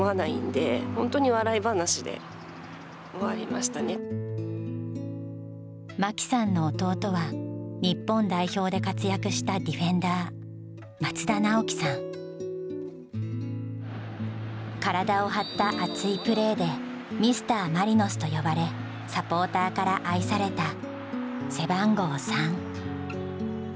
まさか真紀さんの弟は日本代表で活躍したディフェンダー体を張った熱いプレーで「ミスターマリノス」と呼ばれサポーターから愛された背番号３。